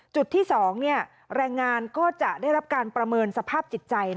จุดที่๒แรงงานก็จะได้รับการประเมินสภาพจิตใจ